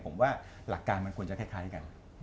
ผมว่าหลักการมันควรจะคล้ายกัน